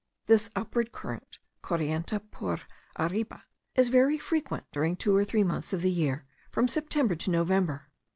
This upward current (corriente por arriba), is very frequent during two or three months of the year, from September to November.